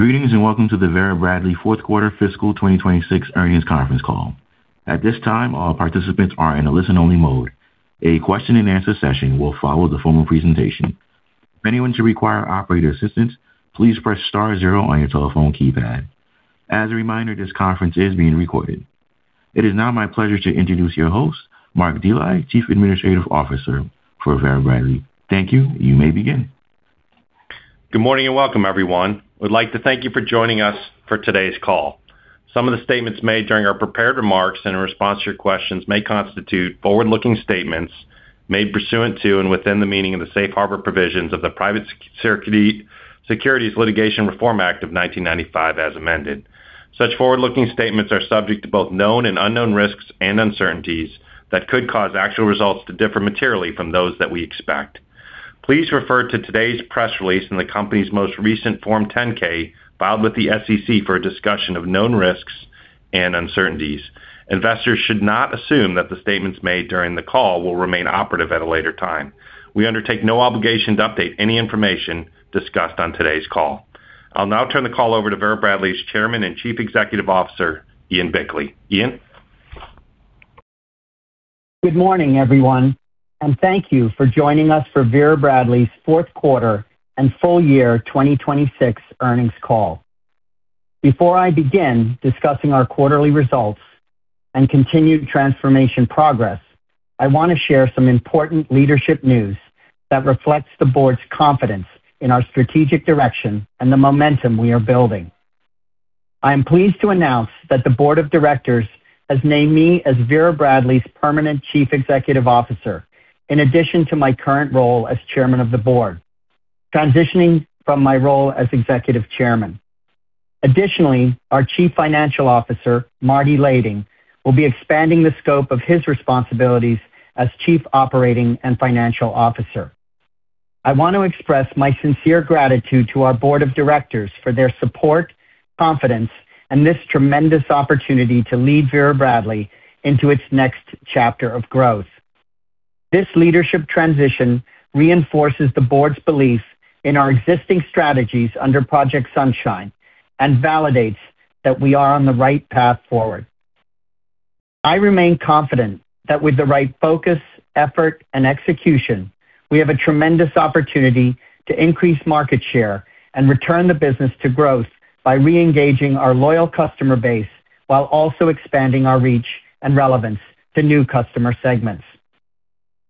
Greetings, and welcome to the Vera Bradley fourth quarter fiscal 2026 earnings conference call. At this time, all participants are in a listen-only mode. A question and answer session will follow the formal presentation. If anyone should require operator assistance, please press star zero on your telephone keypad. As a reminder, this conference is being recorded. It is now my pleasure to introduce your host, Mark Dely, Chief Administrative Officer for Vera Bradley. Thank you. You may begin. Good morning, and welcome everyone. We'd like to thank you for joining us for today's call. Some of the statements made during our prepared remarks and in response to your questions may constitute forward-looking statements made pursuant to and within the meaning of the Safe Harbor Provisions of the Private Securities Litigation Reform Act of 1995 as amended. Such forward-looking statements are subject to both known and unknown risks and uncertainties that could cause actual results to differ materially from those that we expect. Please refer to today's press release and the company's most recent Form 10-K filed with the SEC for a discussion of known risks and uncertainties. Investors should not assume that the statements made during the call will remain operative at a later time. We undertake no obligation to update any information discussed on today's call. I'll now turn the call over to Vera Bradley's Chairman and Chief Executive Officer, Ian Bickley. Ian? Good morning, everyone, and thank you for joining us for Vera Bradley's fourth quarter and full year 2026 earnings call. Before I begin discussing our quarterly results and continued transformation progress, I want to share some important leadership news that reflects the board's confidence in our strategic direction and the momentum we are building. I am pleased to announce that the board of directors has named me as Vera Bradley's permanent Chief Executive Officer in addition to my current role as Chairman of the board, transitioning from my role as Executive Chairman. Additionally, our Chief Financial Officer, Martin Layding, will be expanding the scope of his responsibilities as Chief Operating and Financial Officer. I want to express my sincere gratitude to our board of directors for their support, confidence, and this tremendous opportunity to lead Vera Bradley into its next chapter of growth. This leadership transition reinforces the board's belief in our existing strategies under Project Sunshine and validates that we are on the right path forward. I remain confident that with the right focus, effort, and execution, we have a tremendous opportunity to increase market share and return the business to growth by reengaging our loyal customer base while also expanding our reach and relevance to new customer segments.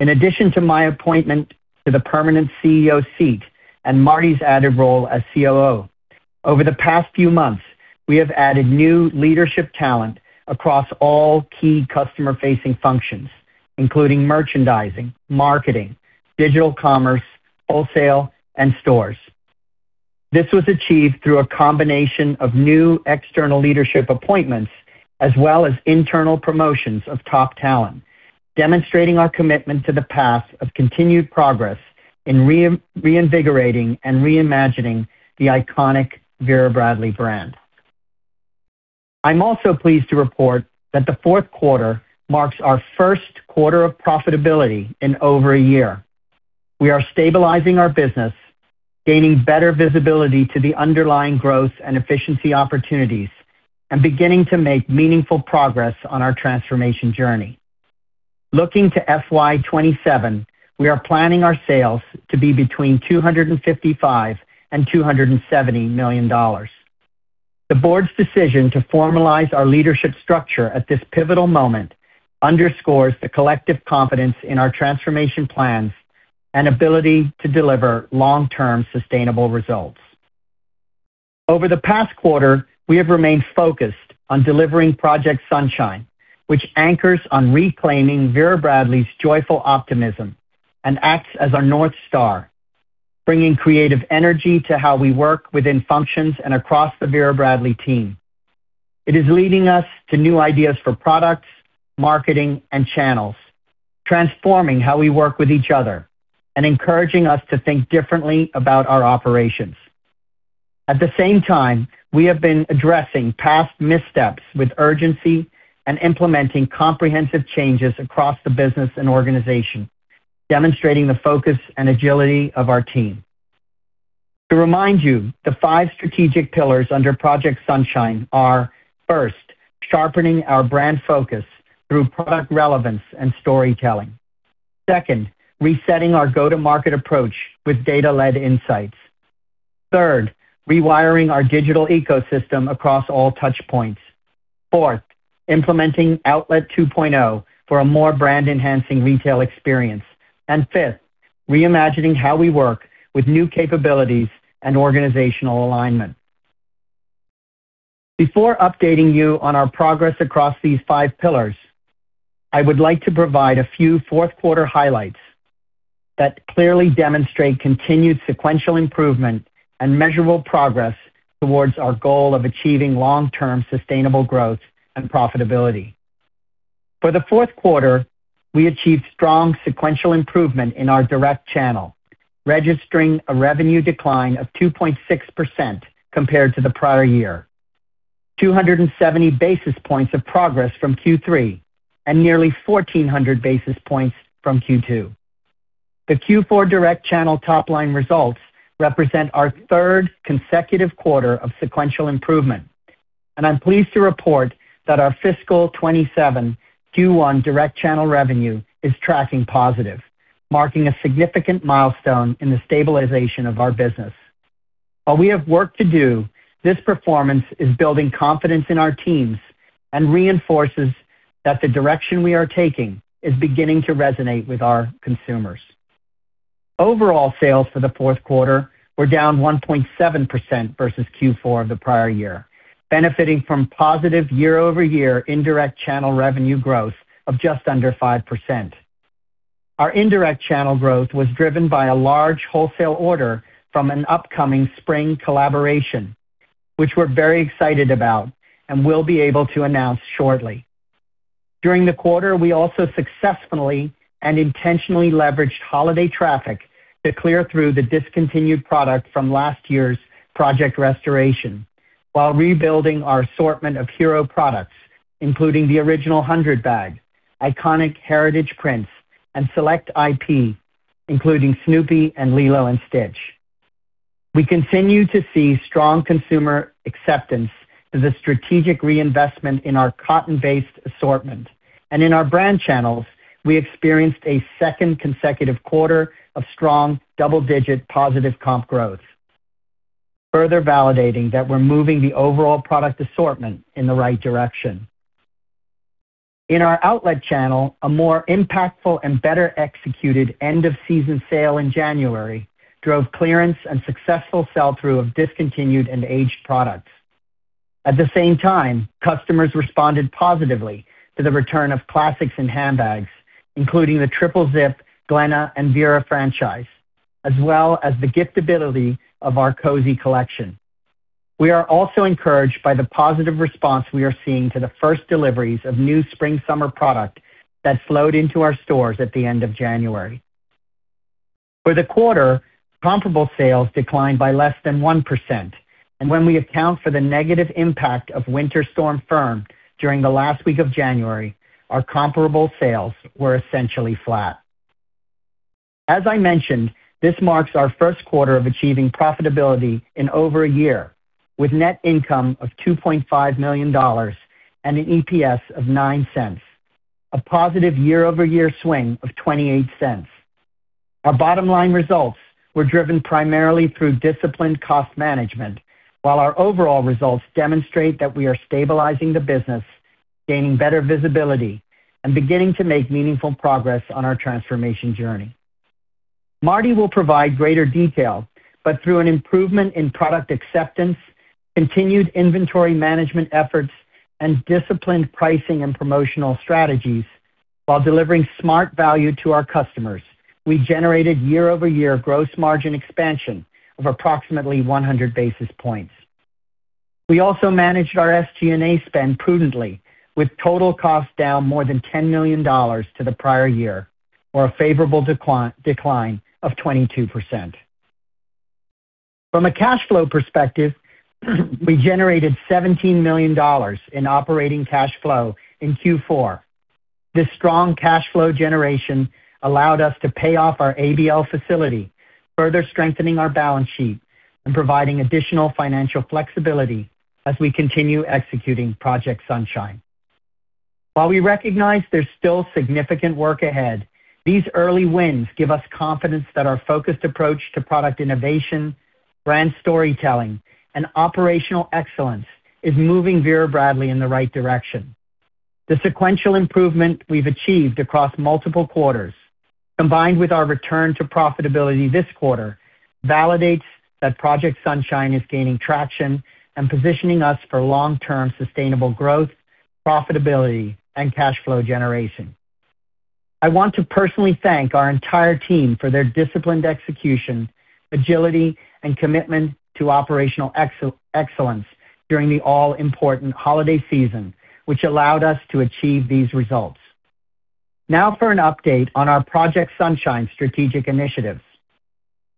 In addition to my appointment to the permanent CEO seat and Martin's added role as COO, over the past few months, we have added new leadership talent across all key customer-facing functions, including merchandising, marketing, digital commerce, wholesale, and stores. This was achieved through a combination of new external leadership appointments as well as internal promotions of top talent, demonstrating our commitment to the path of continued progress in reinvigorating and reimagining the iconic Vera Bradley brand. I'm also pleased to report that the fourth quarter marks our first quarter of profitability in over a year. We are stabilizing our business, gaining better visibility to the underlying growth and efficiency opportunities, and beginning to make meaningful progress on our transformation journey. Looking to FY 2027, we are planning our sales to be between $255 million and $270 million. The board's decision to formalize our leadership structure at this pivotal moment underscores the collective confidence in our transformation plans and ability to deliver long-term sustainable results. Over the past quarter, we have remained focused on delivering Project Sunshine, which anchors on reclaiming Vera Bradley's joyful optimism and acts as our North Star, bringing creative energy to how we work within functions and across the Vera Bradley team. It is leading us to new ideas for products, marketing, and channels, transforming how we work with each other and encouraging us to think differently about our operations. At the same time, we have been addressing past missteps with urgency and implementing comprehensive changes across the business and organization, demonstrating the focus and agility of our team. To remind you, the five strategic pillars under Project Sunshine are, first, sharpening our brand focus through product relevance and storytelling. Second, resetting our go-to-market approach with data-led insights. Third, rewiring our digital ecosystem across all touch points. Fourth, implementing Outlet 2.0 for a more brand-enhancing retail experience. Fifth, reimagining how we work with new capabilities and organizational alignment. Before updating you on our progress across these five pillars, I would like to provide a few fourth quarter highlights that clearly demonstrate continued sequential improvement and measurable progress towards our goal of achieving long-term sustainable growth and profitability. For the fourth quarter, we achieved strong sequential improvement in our direct channel, registering a revenue decline of 2.6% compared to the prior year, 270 basis points of progress from Q3 and nearly 1,400 basis points from Q2. The Q4 direct channel top-line results represent our third consecutive quarter of sequential improvement, and I'm pleased to report that our fiscal 2027 Q1 direct channel revenue is tracking positive, marking a significant milestone in the stabilization of our business. While we have work to do, this performance is building confidence in our teams and reinforces that the direction we are taking is beginning to resonate with our consumers. Overall sales for the fourth quarter were down 1.7% versus Q4 of the prior year, benefiting from positive year-over-year indirect channel revenue growth of just under 5%. Our indirect channel growth was driven by a large wholesale order from an upcoming spring collaboration, which we're very excited about and will be able to announce shortly. During the quarter, we also successfully and intentionally leveraged holiday traffic to clear through the discontinued product from last year's Project Restoration while rebuilding our assortment of hero products, including the Original 100 Bag, iconic heritage prints, and select IP, including Snoopy and Lilo & Stitch. We continue to see strong consumer acceptance to the strategic reinvestment in our cotton-based assortment. In our brand channels, we experienced a second consecutive quarter of strong double-digit positive comp growth, further validating that we're moving the overall product assortment in the right direction. In our outlet channel, a more impactful and better executed end-of-season sale in January drove clearance and successful sell-through of discontinued and aged products. At the same time, customers responded positively to the return of classics and handbags, including the Triple Zip, Glenna, and Vera franchise, as well as the giftability of our Cozy Collection. We are also encouraged by the positive response we are seeing to the first deliveries of new spring-summer product that flowed into our stores at the end of January. For the quarter, comparable sales declined by less than 1%, and when we account for the negative impact of Winter Storm Fern during the last week of January, our comparable sales were essentially flat. As I mentioned, this marks our first quarter of achieving profitability in over a year, with net income of $2.5 million and an EPS of $0.09, a positive year-over-year swing of $0.28. Our bottom-line results were driven primarily through disciplined cost management, while our overall results demonstrate that we are stabilizing the business, gaining better visibility, and beginning to make meaningful progress on our transformation journey. Martin will provide greater detail, but through an improvement in product acceptance, continued inventory management efforts, and disciplined pricing and promotional strategies while delivering smart value to our customers, we generated year-over-year gross margin expansion of approximately 100 basis points. We also managed our SG&A spend prudently, with total costs down more than $10 million to the prior year or a favorable decline of 22%. From a cash flow perspective, we generated $17 million in operating cash flow in Q4. This strong cash flow generation allowed us to pay off our ABL facility, further strengthening our balance sheet and providing additional financial flexibility as we continue executing Project Sunshine. While we recognize there's still significant work ahead, these early wins give us confidence that our focused approach to product innovation, brand storytelling, and operational excellence is moving Vera Bradley in the right direction. The sequential improvement we've achieved across multiple quarters, combined with our return to profitability this quarter, validates that Project Sunshine is gaining traction and positioning us for long-term sustainable growth, profitability, and cash flow generation. I want to personally thank our entire team for their disciplined execution, agility, and commitment to operational excellence during the all-important holiday season, which allowed us to achieve these results. Now for an update on our Project Sunshine strategic initiatives.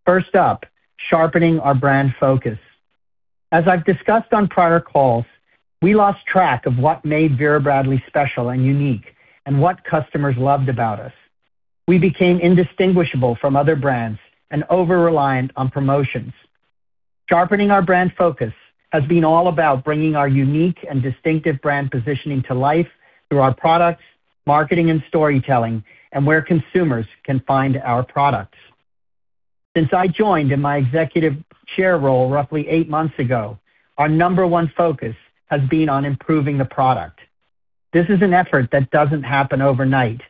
First up, sharpening our brand focus. As I've discussed on prior calls, we lost track of what made Vera Bradley special and unique and what customers loved about us. We became indistinguishable from other brands and over-reliant on promotions. Sharpening our brand focus has been all about bringing our unique and distinctive brand positioning to life through our products, marketing, and storytelling, and where consumers can find our products. Since I joined in my executive chair role roughly eight months ago, our number one focus has been on improving the product. This is an effort that doesn't happen overnight,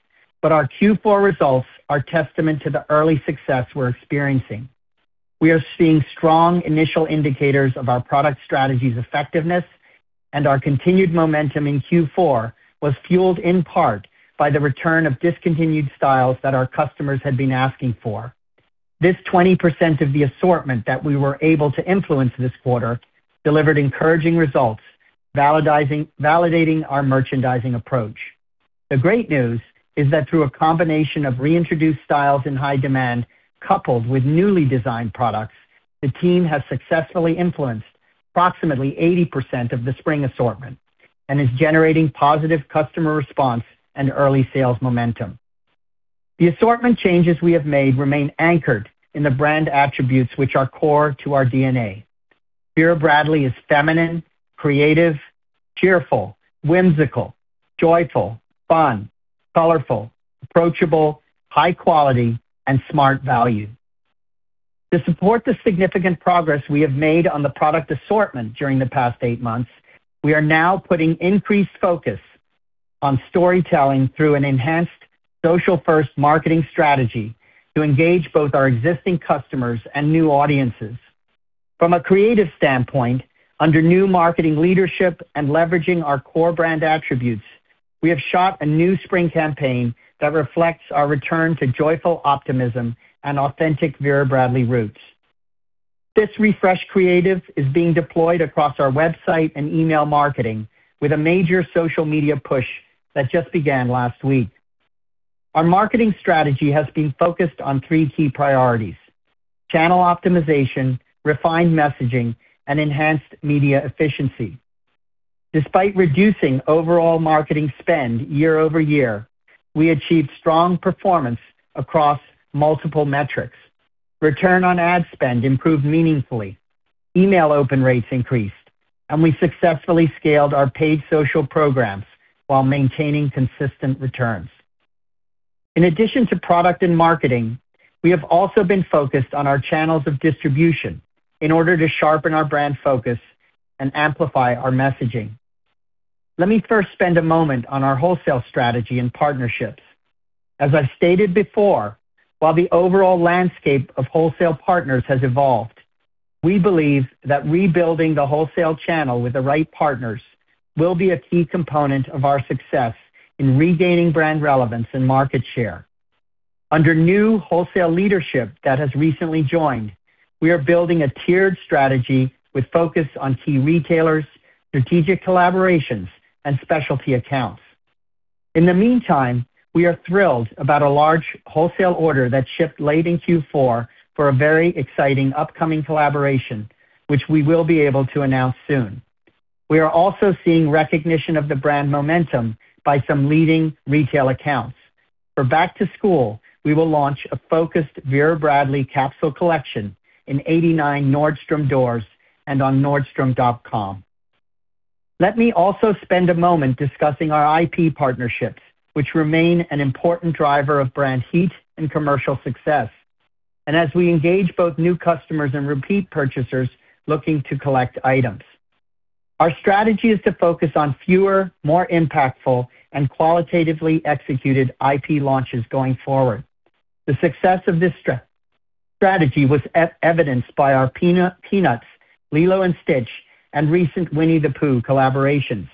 but our Q4 results are testament to the early success we're experiencing. We are seeing strong initial indicators of our product strategy's effectiveness, and our continued momentum in Q4 was fueled in part by the return of discontinued styles that our customers had been asking for. This 20% of the assortment that we were able to influence this quarter delivered encouraging results, validating our merchandising approach. The great news is that through a combination of reintroduced styles in high demand, coupled with newly designed products, the team has successfully influenced approximately 80% of the spring assortment and is generating positive customer response and early sales momentum. The assortment changes we have made remain anchored in the brand attributes which are core to our DNA. Vera Bradley is feminine, creative, cheerful, whimsical, joyful, fun, colorful, approachable, high quality, and smart value. To support the significant progress we have made on the product assortment during the past eight months, we are now putting increased focus on storytelling through an enhanced social-first marketing strategy to engage both our existing customers and new audiences. From a creative standpoint, under new marketing leadership and leveraging our core brand attributes, we have shot a new spring campaign that reflects our return to joyful optimism and authentic Vera Bradley roots. This refreshed creative is being deployed across our website and email marketing with a major social media push that just began last week. Our marketing strategy has been focused on three key priorities, channel optimization, refined messaging, and enhanced media efficiency. Despite reducing overall marketing spend year-over-year, we achieved strong performance across multiple metrics. Return on ad spend improved meaningfully. Email open rates increased, and we successfully scaled our paid social programs while maintaining consistent returns. In addition to product and marketing, we have also been focused on our channels of distribution in order to sharpen our brand focus and amplify our messaging. Let me first spend a moment on our wholesale strategy and partnerships. As I've stated before, while the overall landscape of wholesale partners has evolved, we believe that rebuilding the wholesale channel with the right partners will be a key component of our success in regaining brand relevance and market share. Under new wholesale leadership that has recently joined, we are building a tiered strategy with focus on key retailers, strategic collaborations, and specialty accounts. In the meantime, we are thrilled about a large wholesale order that shipped late in Q4 for a very exciting upcoming collaboration, which we will be able to announce soon. We are also seeing recognition of the brand momentum by some leading retail accounts. For back to school, we will launch a focused Vera Bradley capsule collection in 89 Nordstrom doors and on nordstrom.com. Let me also spend a moment discussing our IP partnerships, which remain an important driver of brand heat and commercial success, and as we engage both new customers and repeat purchasers looking to collect items. Our strategy is to focus on fewer, more impactful, and qualitatively executed IP launches going forward. The success of this strategy was evidenced by our Peanuts, Lilo & Stitch, and recent Winnie the Pooh collaborations,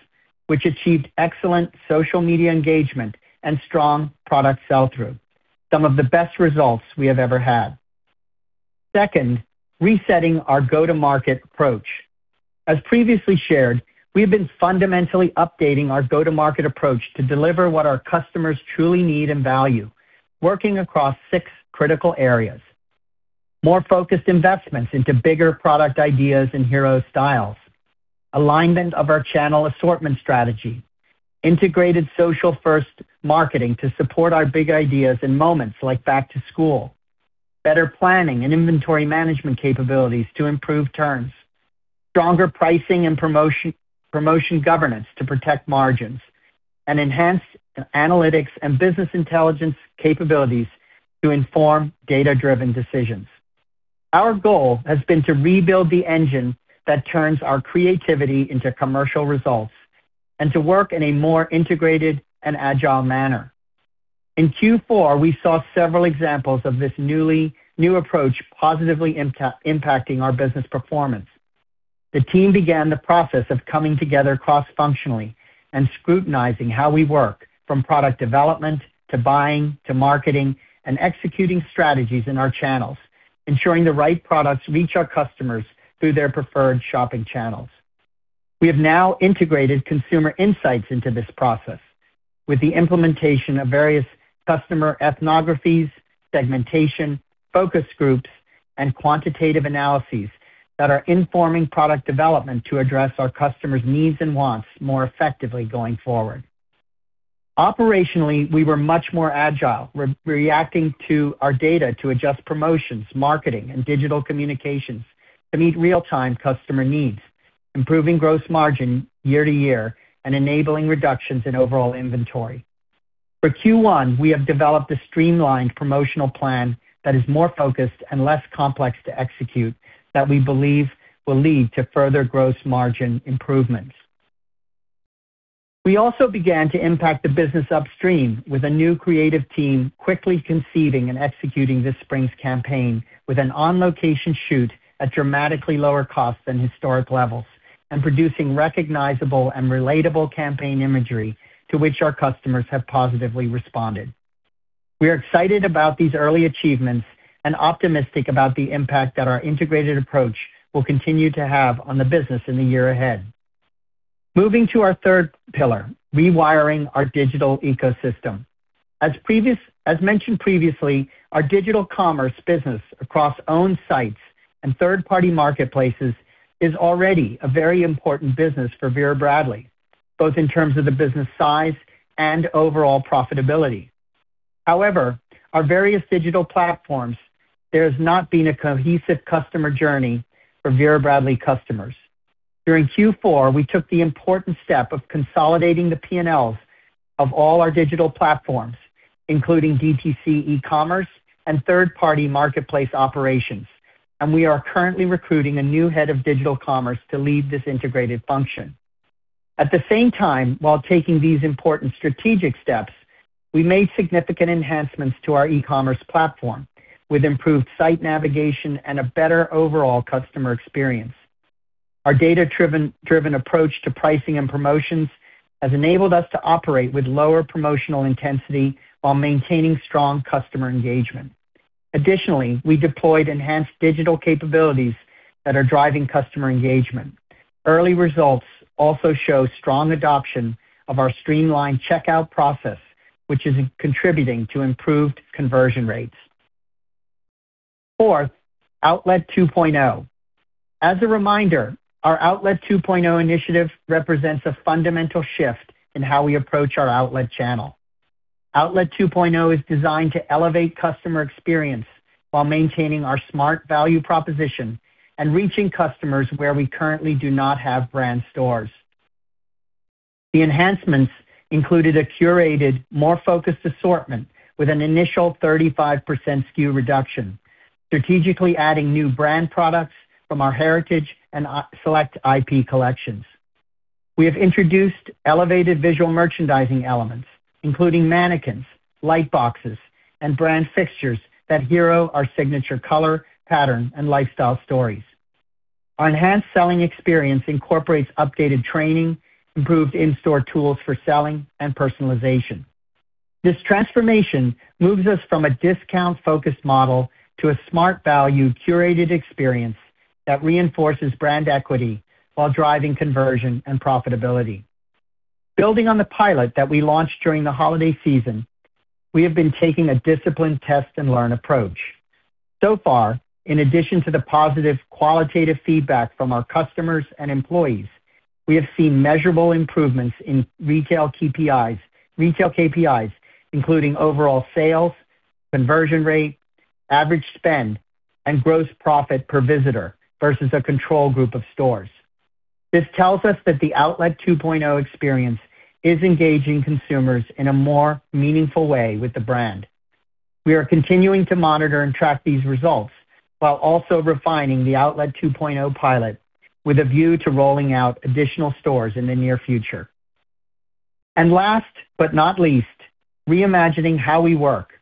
which achieved excellent social media engagement and strong product sell-through, some of the best results we have ever had. Second, resetting our go-to-market approach. As previously shared, we have been fundamentally updating our go-to-market approach to deliver what our customers truly need and value, working across six critical areas. More focused investments into bigger product ideas and hero styles. Alignment of our channel assortment strategy. Integrated social-first marketing to support our big ideas in moments like back to school. Better planning and inventory management capabilities to improve turns. Stronger pricing and promotion governance to protect margins. Enhanced analytics and business intelligence capabilities to inform data-driven decisions. Our goal has been to rebuild the engine that turns our creativity into commercial results and to work in a more integrated and agile manner. In Q4, we saw several examples of this new approach positively impacting our business performance. The team began the process of coming together cross-functionally and scrutinizing how we work from product development to buying to marketing and executing strategies in our channels, ensuring the right products reach our customers through their preferred shopping channels. We have now integrated consumer insights into this process with the implementation of various customer ethnographies, segmentation, focus groups, and quantitative analysis that are informing product development to address our customers' needs and wants more effectively going forward. Operationally, we were much more agile, reacting to our data to adjust promotions, marketing, and digital communications to meet real-time customer needs, improving gross margin year-to-year and enabling reductions in overall inventory. For Q1, we have developed a streamlined promotional plan that is more focused and less complex to execute that we believe will lead to further gross margin improvements. We also began to impact the business upstream with a new creative team quickly conceiving and executing this spring's campaign with an on-location shoot at dramatically lower cost than historic levels and producing recognizable and relatable campaign imagery to which our customers have positively responded. We are excited about these early achievements and optimistic about the impact that our integrated approach will continue to have on the business in the year ahead. Moving to our third pillar, rewiring our digital ecosystem. As mentioned previously, our digital commerce business across owned sites and third-party marketplaces is already a very important business for Vera Bradley, both in terms of the business size and overall profitability. However, our various digital platforms, there has not been a cohesive customer journey for Vera Bradley customers. During Q4, we took the important step of consolidating the P&Ls of all our digital platforms, including DTC e-commerce and third-party marketplace operations, and we are currently recruiting a new head of digital commerce to lead this integrated function. At the same time, while taking these important strategic steps, we made significant enhancements to our e-commerce platform, with improved site navigation and a better overall customer experience. Our data-driven approach to pricing and promotions has enabled us to operate with lower promotional intensity while maintaining strong customer engagement. Additionally, we deployed enhanced digital capabilities that are driving customer engagement. Early results also show strong adoption of our streamlined checkout process, which is contributing to improved conversion rates. Fourth, Outlet 2.0. As a reminder, our Outlet 2.0 initiative represents a fundamental shift in how we approach our outlet channel. Outlet 2.0 is designed to elevate customer experience while maintaining our smart value proposition and reaching customers where we currently do not have brand stores. The enhancements included a curated, more focused assortment with an initial 35% SKU reduction, strategically adding new brand products from our heritage and select IP collections. We have introduced elevated visual merchandising elements, including mannequins, light boxes, and brand fixtures that hero our signature color, pattern, and lifestyle stories. Our enhanced selling experience incorporates updated training, improved in-store tools for selling, and personalization. This transformation moves us from a discount-focused model to a smart value curated experience that reinforces brand equity while driving conversion and profitability. Building on the pilot that we launched during the holiday season, we have been taking a disciplined test-and-learn approach. So far, in addition to the positive qualitative feedback from our customers and employees, we have seen measurable improvements in retail KPIs including overall sales, conversion rate, average spend, and gross profit per visitor versus a control group of stores. This tells us that the Outlet 2.0 experience is engaging consumers in a more meaningful way with the brand. We are continuing to monitor and track these results while also refining the Outlet 2.0 pilot with a view to rolling out additional stores in the near future. Last but not least, reimagining how we work,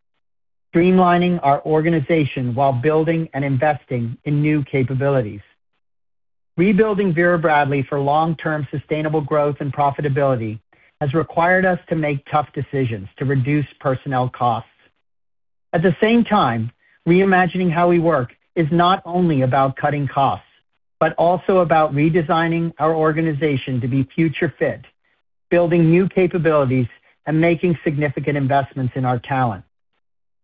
streamlining our organization while building and investing in new capabilities. Rebuilding Vera Bradley for long-term sustainable growth and profitability has required us to make tough decisions to reduce personnel costs. At the same time, reimagining how we work is not only about cutting costs, but also about redesigning our organization to be future fit, building new capabilities, and making significant investments in our talent.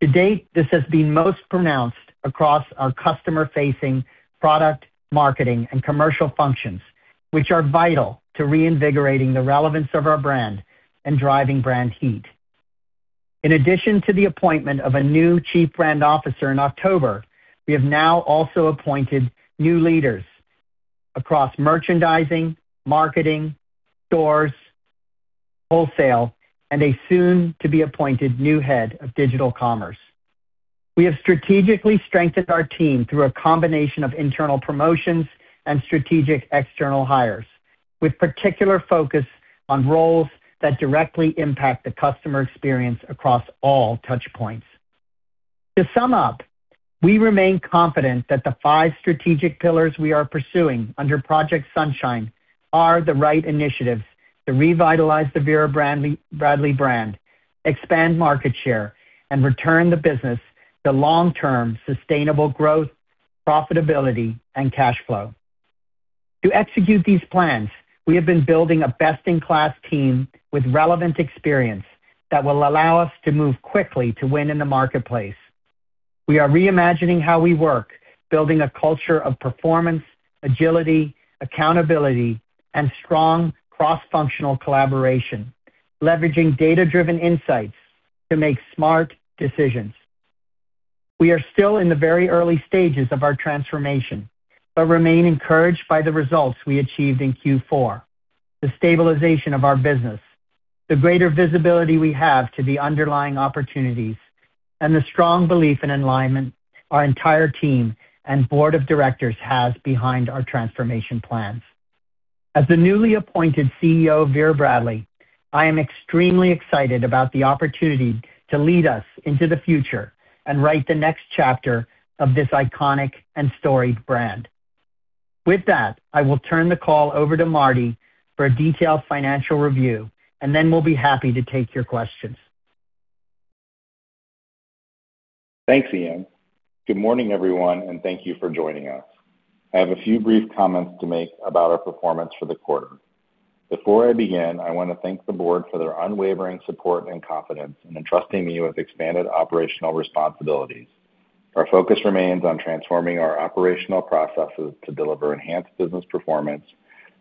To date, this has been most pronounced across our customer-facing product, marketing, and commercial functions, which are vital to reinvigorating the relevance of our brand and driving brand heat. In addition to the appointment of a new chief brand officer in October, we have now also appointed new leaders across merchandising, marketing, stores, wholesale, and a soon to be appointed new head of digital commerce. We have strategically strengthened our team through a combination of internal promotions and strategic external hires, with particular focus on roles that directly impact the customer experience across all touch points. To sum up, we remain confident that the five strategic pillars we are pursuing under Project Sunshine are the right initiatives to revitalize the Vera Bradley brand, expand market share, and return the business to long-term sustainable growth, profitability, and cash flow. To execute these plans, we have been building a best-in-class team with relevant experience that will allow us to move quickly to win in the marketplace. We are reimagining how we work, building a culture of performance, agility, accountability, and strong cross-functional collaboration, leveraging data-driven insights to make smart decisions. We are still in the very early stages of our transformation but remain encouraged by the results we achieved in Q4, the stabilization of our business, the greater visibility we have to the underlying opportunities, and the strong belief and alignment our entire team and board of directors has behind our transformation plans. As the newly appointed CEO of Vera Bradley, I am extremely excited about the opportunity to lead us into the future and write the next chapter of this iconic and storied brand. With that, I will turn the call over to Martin for a detailed financial review, and then we'll be happy to take your questions. Thanks, Ian. Good morning, everyone, and thank you for joining us. I have a few brief comments to make about our performance for the quarter. Before I begin, I wanna thank the board for their unwavering support and confidence in entrusting me with expanded operational responsibilities. Our focus remains on transforming our operational processes to deliver enhanced business performance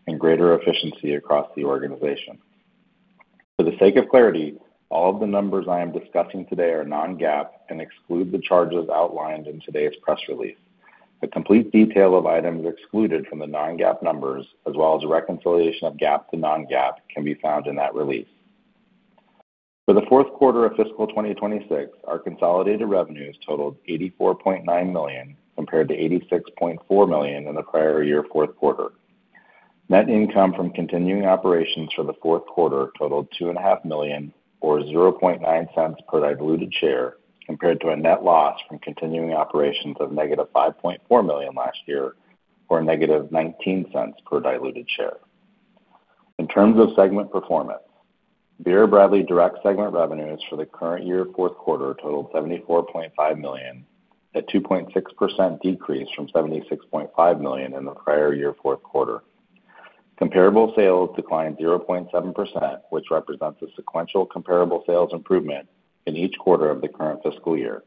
and greater efficiency across the organization. For the sake of clarity, all of the numbers I am discussing today are non-GAAP and exclude the charges outlined in today's press release. A complete detail of items excluded from the non-GAAP numbers, as well as a reconciliation of GAAP to non-GAAP, can be found in that release. For the fourth quarter of fiscal 2026, our consolidated revenues totaled $84.9 million, compared to $86.4 million in the prior year fourth quarter. Net income from continuing operations for the fourth quarter totaled $2.5 million, or $0.009 per diluted share, compared to a net loss from continuing operations of -$5.4 million last year, or -$0.19 per diluted share. In terms of segment performance, Vera Bradley direct segment revenues for the current year fourth quarter totaled $74.5 million, a 2.6% decrease from $76.5 million in the prior year fourth quarter. Comparable sales declined 0.7%, which represents a sequential comparable sales improvement in each quarter of the current fiscal year.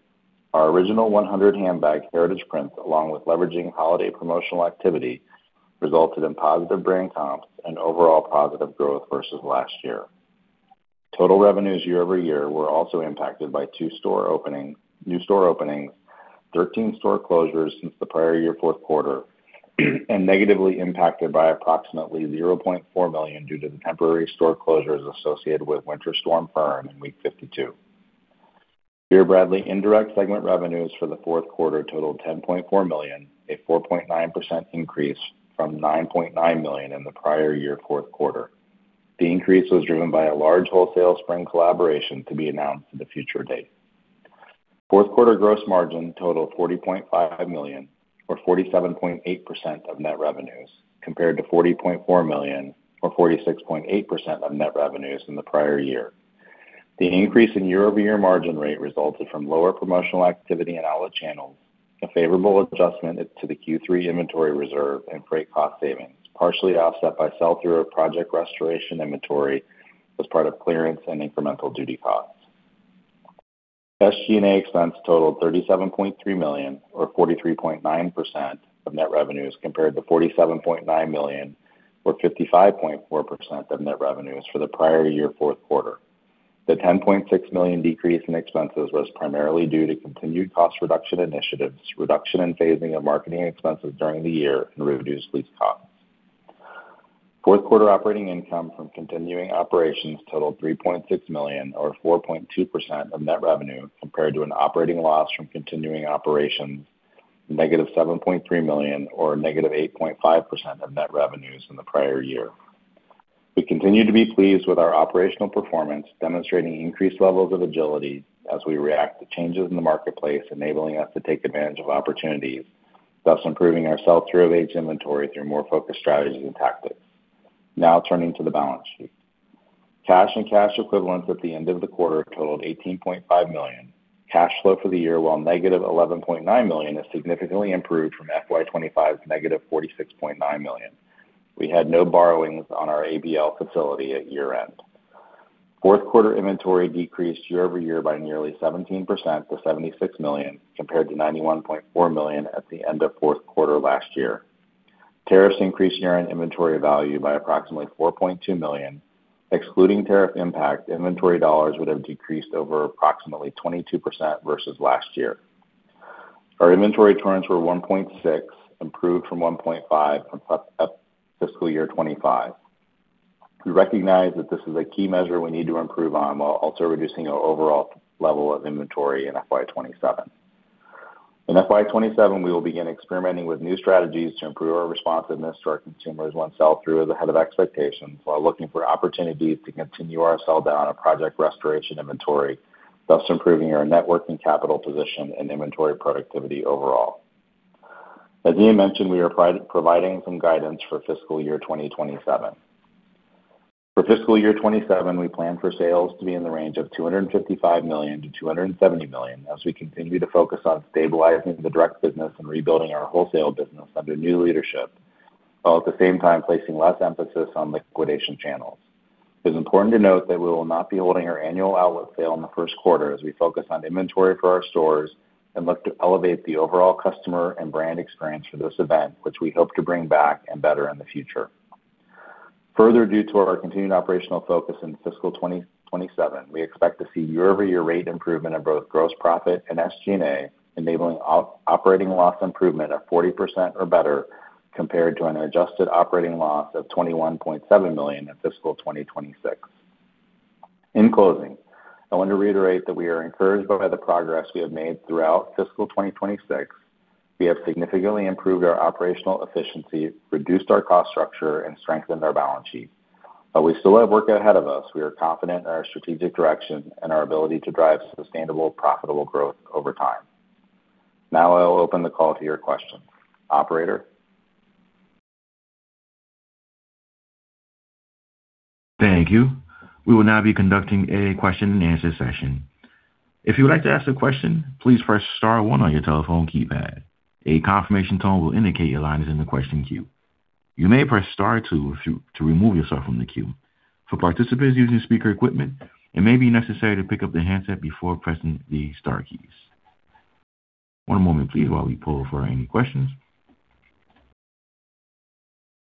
Our Original 100 Bag heritage print, along with leveraging holiday promotional activity, resulted in positive brand comps and overall positive growth versus last year. Total revenues year over year were also impacted by two new store openings, 13 store closures since the prior year fourth quarter, and negatively impacted by approximately $0.4 million due to the temporary store closures associated with Winter Storm Fern in week 52. Vera Bradley indirect segment revenues for the fourth quarter totaled $10.4 million, a 4.9% increase from $9.9 million in the prior year fourth quarter. The increase was driven by a large wholesale spring collaboration to be announced at a future date. Fourth quarter gross margin totaled $40.5 million, or 47.8% of net revenues, compared to $40.4 million, or 46.8% of net revenues in the prior year. The increase in year-over-year margin rate resulted from lower promotional activity in outlet channels, a favorable adjustment to the Q3 inventory reserve and freight cost savings, partially offset by sell-through of Project Restoration inventory as part of clearance and incremental duty costs. SG&A expense totaled $37.3 million, or 43.9% of net revenues, compared to $47.9 million, or 55.4% of net revenues for the prior year fourth quarter. The $10.6 million decrease in expenses was primarily due to continued cost reduction initiatives, reduction and phasing of marketing expenses during the year, and reduced lease costs. Fourth quarter operating income from continuing operations totaled $3.6 million, or 4.2% of net revenue, compared to an operating loss from continuing operations of -$7.3 million or -8.5% of net revenues in the prior year. We continue to be pleased with our operational performance, demonstrating increased levels of agility as we react to changes in the marketplace, enabling us to take advantage of opportunities, thus improving our sell-through of aged inventory through more focused strategies and tactics. Now turning to the balance sheet. Cash and cash equivalents at the end of the quarter totaled $18.5 million. Cash flow for the year, while -$11.9 million, is significantly improved from FY 2025's -$46.9 million. We had no borrowings on our ABL facility at year-end. Fourth quarter inventory decreased year-over-year by nearly 17% to $76 million, compared to $91.4 million at the end of fourth quarter last year. Tariffs increased year-end inventory value by approximately $4.2 million. Excluding tariff impact, inventory dollars would have decreased over approximately 22% versus last year. Our inventory turns were 1.6, improved from 1.5 from fiscal year 2025. We recognize that this is a key measure we need to improve on while also reducing our overall level of inventory in FY 2027. In FY 2027, we will begin experimenting with new strategies to improve our responsiveness to our consumers once sell-through is ahead of expectations, while looking for opportunities to continue our sell-down of Project Restoration inventory, thus improving our net working capital position and inventory productivity overall. As Ian mentioned, we are providing some guidance for fiscal year 2027. For fiscal year 2027, we plan for sales to be in the range of $255 million-$270 million as we continue to focus on stabilizing the direct business and rebuilding our wholesale business under new leadership, while at the same time placing less emphasis on liquidation channels. It is important to note that we will not be holding our annual outlet sale in the first quarter as we focus on inventory for our stores and look to elevate the overall customer and brand experience for this event, which we hope to bring back and better in the future. Further, due to our continued operational focus in fiscal 2027, we expect to see year-over-year rate improvement in both gross profit and SG&A, enabling operating loss improvement of 40% or better, compared to an adjusted operating loss of $21.7 million in fiscal 2026. In closing, I want to reiterate that we are encouraged by the progress we have made throughout fiscal 2026. We have significantly improved our operational efficiency, reduced our cost structure, and strengthened our balance sheet. We still have work ahead of us. We are confident in our strategic direction and our ability to drive sustainable, profitable growth over time. Now I will open the call to your questions. Operator? Thank you. We will now be conducting a question-and-answer session. If you would like to ask a question, please press star one on your telephone keypad. A confirmation tone will indicate your line is in the question queue. You may press star two to remove yourself from the queue. For participants using speaker equipment, it may be necessary to pick up the handset before pressing the star keys. One moment please while we poll for any questions.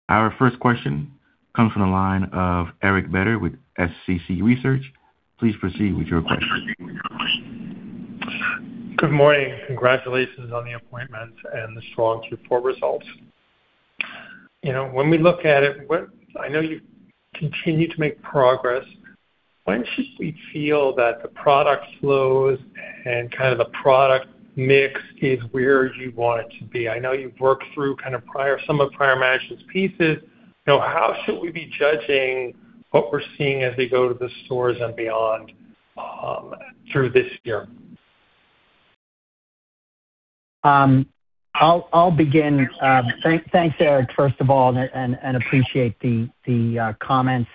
Our first question comes from the line of Eric Beder with SCC Research. Please proceed with your question. Good morning. Congratulations on the appointment and the strong Q4 results. You know, when we look at it, I know you continue to make progress. When should we feel that the product flows and kind of the product mix is where you want it to be? I know you've worked through kind of some of prior management's pieces. You know, how should we be judging what we're seeing as we go to the stores and beyond, through this year? I'll begin. Thanks, Eric, first of all, and appreciate the comments.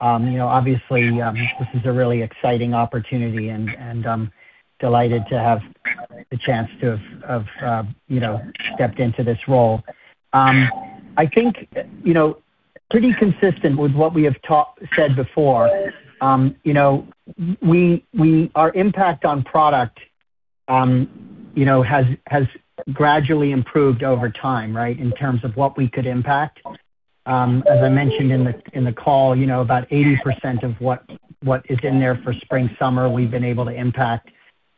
You know, obviously, this is a really exciting opportunity and I'm delighted to have the chance to have stepped into this role. I think, you know, pretty consistent with what we have said before, you know, our impact on product, you know, has gradually improved over time, right, in terms of what we could impact. As I mentioned in the call, you know, about 80% of what is in there for spring/summer, we've been able to impact.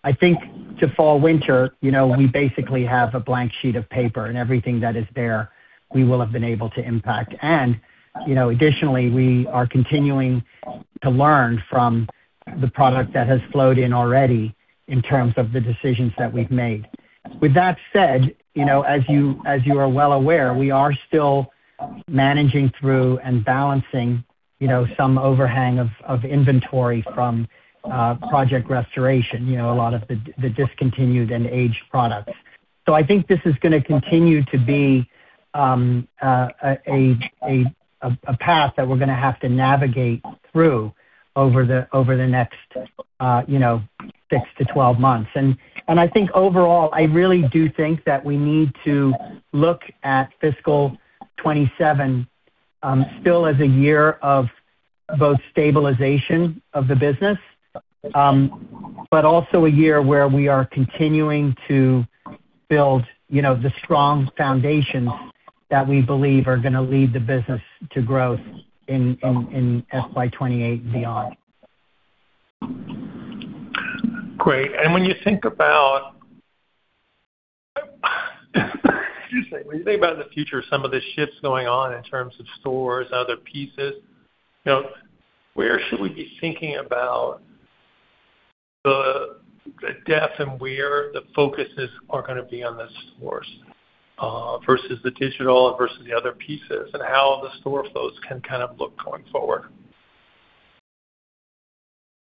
I think to fall/winter, you know, we basically have a blank sheet of paper and everything that is there we will have been able to impact. You know, additionally, we are continuing to learn from the product that has flowed in already in terms of the decisions that we've made. With that said, you know, as you are well aware, we are still managing through and balancing, you know, some overhang of inventory from Project Restoration, you know, a lot of the discontinued and aged products. I think this is gonna continue to be a path that we're gonna have to navigate through over the next, you know, 6-12 months. I think overall, I really do think that we need to look at fiscal 2027 still as a year of both stabilization of the business, but also a year where we are continuing to build, you know, the strong foundations that we believe are gonna lead the business to growth in FY 2028 and beyond. Great. When you think about the future, some of the shifts going on in terms of stores and other pieces, you know, where should we be thinking about the depth and where the focuses are gonna be on the stores, versus the digital versus the other pieces, and how the store flows can kind of look going forward?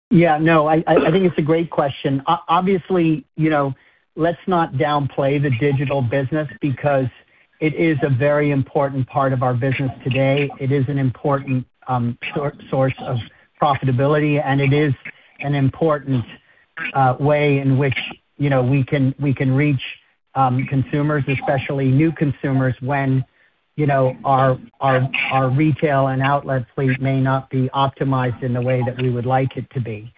Yeah, no, I think it's a great question. Obviously, you know, let's not downplay the digital business because it is a very important part of our business today. It is an important source of profitability, and it is an important way in which, you know, we can reach consumers, especially new consumers, when, you know, our retail and outlet fleet may not be optimized in the way that we would like it to be.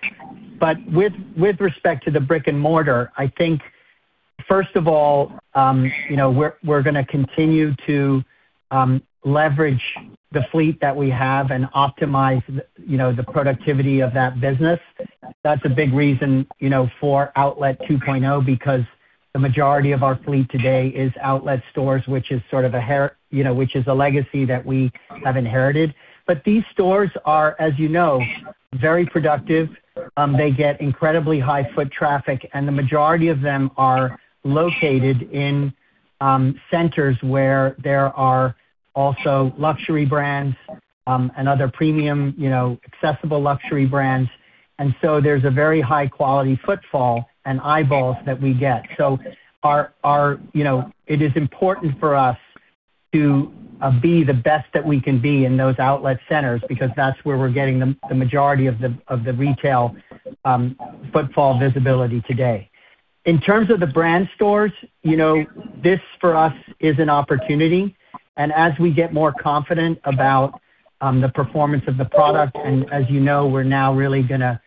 With respect to the brick and mortar, I think, first of all, you know, we're gonna continue to leverage the fleet that we have and optimize, you know, the productivity of that business. That's a big reason, you know, for Outlet 2.0, because the majority of our fleet today is outlet stores, which is sort of a legacy that we have inherited. These stores are, as you know, very productive. They get incredibly high foot traffic, and the majority of them are located in centers where there are also luxury brands and other premium, you know, accessible luxury brands. There's a very high quality footfall and eyeballs that we get. You know, it is important for us to be the best that we can be in those outlet centers because that's where we're getting the majority of the retail footfall visibility today. In terms of the brand stores, you know, this for us is an opportunity. As we get more confident about the performance of the product, and as you know, we're now really gonna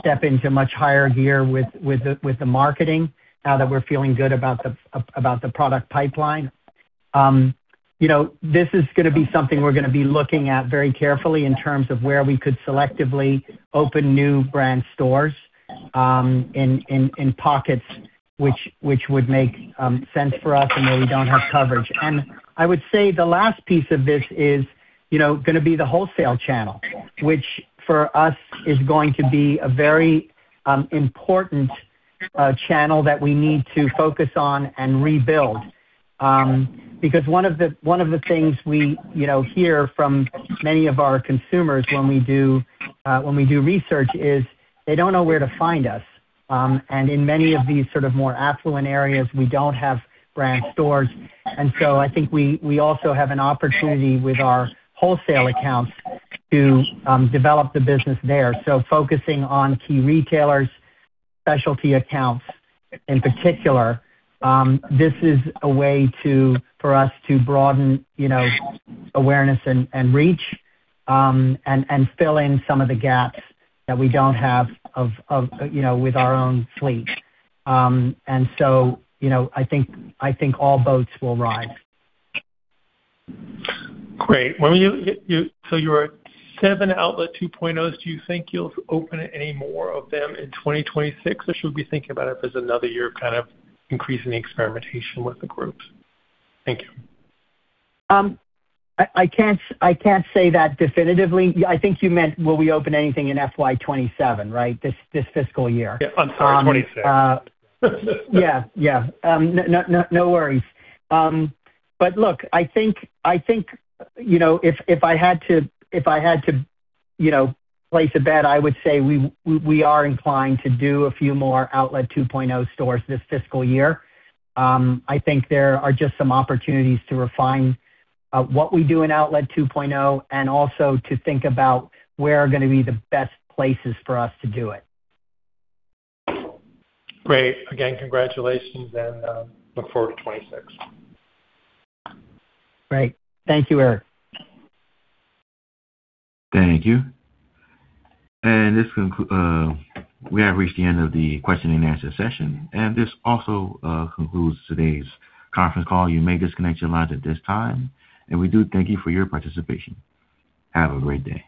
step into a much higher gear with the marketing now that we're feeling good about the product pipeline. You know, this is gonna be something we're gonna be looking at very carefully in terms of where we could selectively open new brand stores in pockets which would make sense for us and where we don't have coverage. I would say the last piece of this is, you know, gonna be the wholesale channel, which for us is going to be a very important channel that we need to focus on and rebuild. Because one of the things we you know hear from many of our consumers when we do research is they don't know where to find us. In many of these sort of more affluent areas, we don't have brand stores. I think we also have an opportunity with our wholesale accounts to develop the business there. Focusing on key retailers, specialty accounts in particular, this is a way for us to broaden you know awareness and reach and fill in some of the gaps that we don't have with our own fleet. You know, I think all boats will rise. Great. You're at seven Outlet 2.0's. Do you think you'll open any more of them in 2026 or should we be thinking about it as another year kind of increasing the experimentation with the groups? Thank you. I can't say that definitively. I think you meant will we open anything in FY 2027, right? This fiscal year. Yeah. I'm sorry. 26. Yeah. No worries. Look, I think, you know, if I had to, you know, place a bet, I would say we are inclined to do a few more Outlet 2.0 stores this fiscal year. I think there are just some opportunities to refine what we do in Outlet 2.0 and also to think about where we're gonna be the best places for us to do it. Great. Again, congratulations and look forward to 2026. Great. Thank you, Eric. Thank you. We have reached the end of the question-and-answer session, and this also concludes today's conference call. You may disconnect your lines at this time, and we do thank you for your participation. Have a great day.